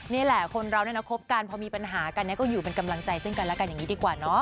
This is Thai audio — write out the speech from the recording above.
นี่แหละคนเราเนี่ยนะคบกันพอมีปัญหากันเนี่ยก็อยู่เป็นกำลังใจซึ่งกันแล้วกันอย่างนี้ดีกว่าเนาะ